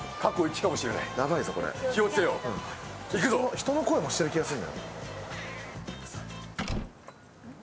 人の声もしてる気がする。